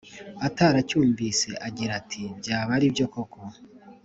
utaracyumvise, agira ati: byaba ari byo koko,